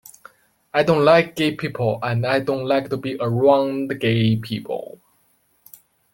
I don't like gay people and I don't like to be around gay people.